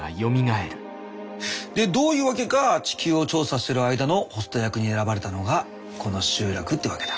でどういうわけか地球を調査する間のホスト役に選ばれたのがこの集落ってわけだ。